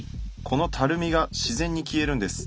このたるみが自然に消えるんです。